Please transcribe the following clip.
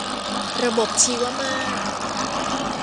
ระบบชีวมาตร